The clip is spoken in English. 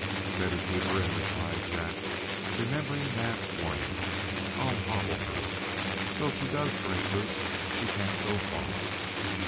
"Better keep her in," replied Jack, remembering Naab's warning. "I'll hobble her, so if she does break loose she can't go far."